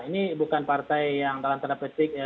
ini bukan partai yang dalam tanda petik